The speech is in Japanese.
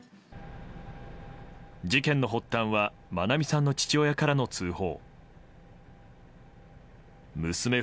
事件の発端は愛美さんの父親からの通報。